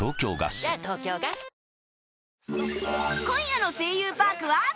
今夜の『声優パーク』は